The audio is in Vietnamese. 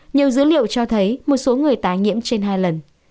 nhiều dữ liệu cho thấy một số người tái nhiễm trên hai lần